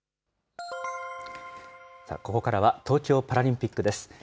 ここからは東京パラリンピックです。